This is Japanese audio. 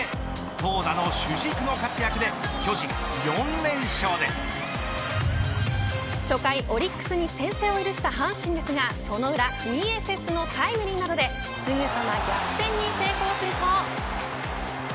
投打の主軸の活躍で初回、オリックスに先制を許した阪神ですがその裏ニエセスのタイムリーなどですぐさま逆転に成功すると。